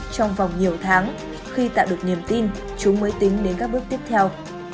trong vòng nhiều tháng khi tạo được niềm tin chúng mới tính đến các bước tiếp theo